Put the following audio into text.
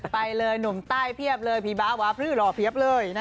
ไปเลยหนุ่มใต้เพียบเลยผีบ้าวาพลือหล่อเพียบเลย